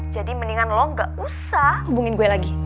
jadi mendingan lo gak usah hubungin gue lagi